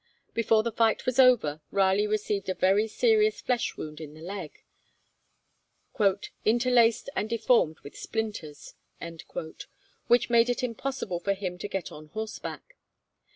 Before the fight was over Raleigh received a very serious flesh wound in the leg, 'interlaced and deformed with splinters,' which made it impossible for him to get on horseback.